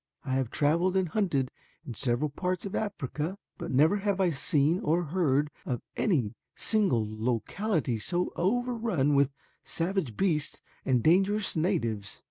I have traveled and hunted in several parts of Africa, but never have I seen or heard of any single locality so overrun with savage beasts and dangerous natives.